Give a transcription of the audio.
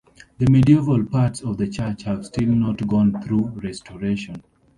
The medieval parts of the church have still not gone through restoration.